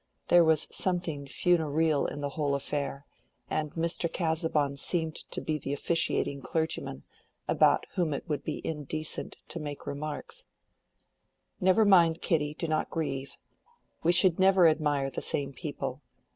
There was something funereal in the whole affair, and Mr. Casaubon seemed to be the officiating clergyman, about whom it would be indecent to make remarks. "Never mind, Kitty, do not grieve. We should never admire the same people.